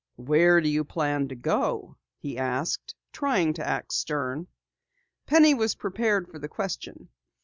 "Where do you plan to go?" he asked, trying to act stern. Penny was prepared for the question.